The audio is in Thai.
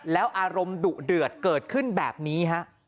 แล้วอารมณ์ดุเดือดเกิดขึ้นแบบนี้ฮะ